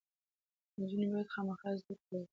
نجونې باید خامخا زده کړې وکړي.